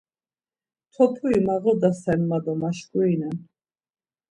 Topuri mağodasen ma do maşkurinen.